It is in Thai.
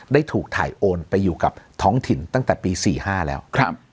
ได้ถูกถ่ายโอนไปอยู่กับท้องถิ่นตั้งแต่ปี๔๕แล้ว